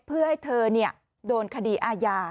เพื่อให้เธอโดนคดีอาญา